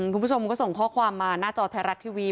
คุณผู้ชมก็ส่งข้อความมาหน้าจอไทยรัฐทีวี